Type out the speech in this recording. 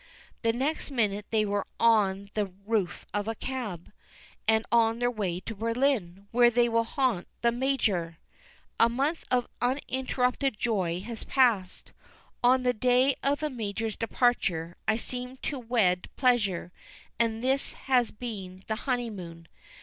The next minute they were on the roof of a cab, and on their way to Berlin, where they will haunt the Major. A month of uninterrupted joy has passed. On the day of the Major's departure I seemed to wed pleasure; and this has been the honeymoon.